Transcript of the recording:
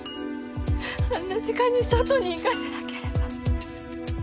あんな時間に外に行かせなければ！